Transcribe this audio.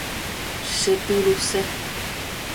Chepiruse.